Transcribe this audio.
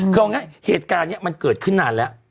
คือว่าอย่างงั้นเหตุการณ์เนี่ยมันเกิดขึ้นนานแล้ว